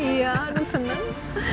iya lu seneng